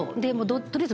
取りあえず。